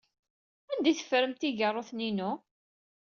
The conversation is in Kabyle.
Anda ay teffremt igeṛṛuten-inu?